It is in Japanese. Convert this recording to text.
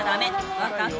分かった？